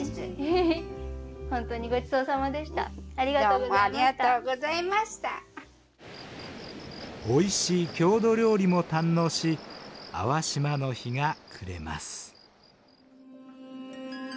おいしい郷土料理も堪能し粟島の日が暮れます。